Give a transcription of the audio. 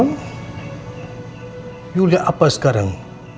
kamu lihat apa sekarang